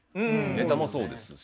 ネタもそうですし。